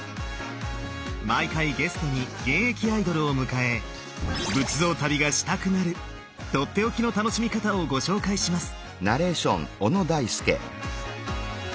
毎回ゲストに現役アイドルを迎え仏像旅がしたくなる取って置きの楽しみ方をご紹介します！